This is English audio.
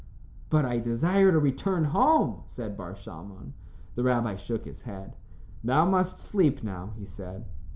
"But I desire to return home," said Bar Shalmon. The rabbi shook his head. "Thou must sleep now," he said.